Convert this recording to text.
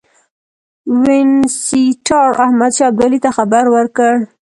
وینسیټار احمدشاه ابدالي ته خبر ورکړ.